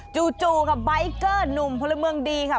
จู่กับใบเกอร์หนุ่มพลเมืองดีค่ะ